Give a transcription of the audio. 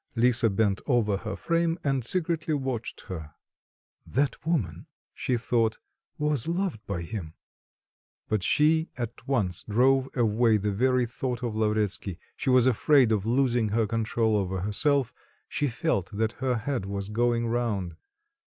Lisa bent over her frame, and secretly watched her. "That woman," she thought, "was loved by him." But she at once drove away the very thought of Lavretsky; she was afraid of losing her control over herself, she felt that her head was going round.